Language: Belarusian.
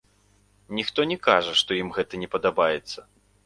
Ніхто не кажа, што ім гэта не падабаецца.